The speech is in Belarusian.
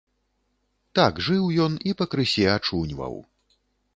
Так жыў ён і пакрысе ачуньваў.